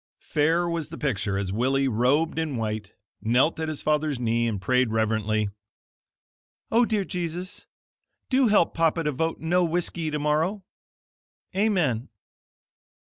Fair was the picture, as Willie, robed in white, knelt at his father's knee and prayed reverently: "O dear Jesus, do help papa to vote No Whiskey tomorrow. Amen."